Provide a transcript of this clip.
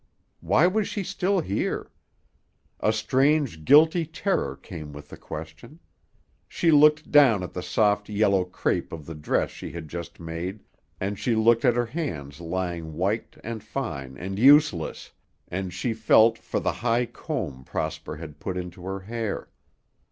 Why was she still here? A strange, guilty terror came with the question. She looked down at the soft, yellow crêpe of the dress she had just made and she looked at her hands lying white and fine and useless, and she felt for the high comb Prosper had put into her hair.